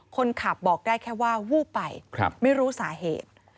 คนขับบอกได้แค่ว่าวูบไปไม่รู้สาเหตุ